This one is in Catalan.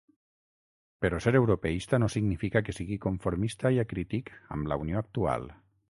Però ser europeista no significa que sigui conformista i acrític amb la unió actual.